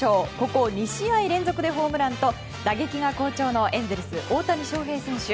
ここ２試合連続でホームランと打撃が好調のエンゼルス、大谷翔平選手。